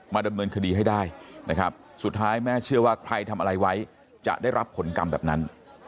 ดำเนินคดีให้ได้นะครับสุดท้ายแม่เชื่อว่าใครทำอะไรไว้จะได้รับผลกรรมแบบนั้น